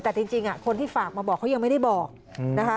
แต่จริงคนที่ฝากมาบอกเขายังไม่ได้บอกนะคะ